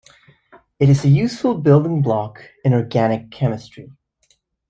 It is a useful building block in organic chemistry.